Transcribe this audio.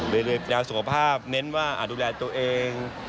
โดยแนวสุขภาพเน้นว่าดูแลตัวเอง